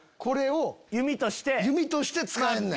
弓として使えんねん。